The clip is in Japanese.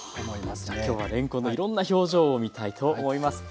はあじゃあ今日はれんこんのいろんな表情を見たいと思います。